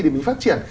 để mình phát triển